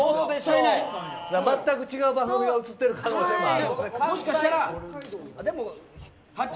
全く違う番組が映ってる可能性もある。